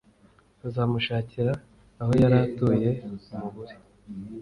uzamushakira aho yari atuye umubure